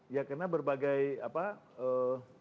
ya karena berbagai apa